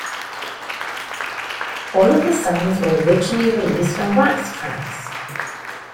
All of the songs were originally released on Wax Trax!